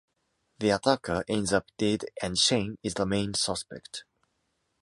The attacker ends up dead and Shane is the main suspect.